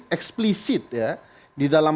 eksplisit ya di dalam